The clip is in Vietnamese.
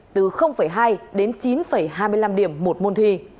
từ hai đến chín hai mươi năm điểm một môn thi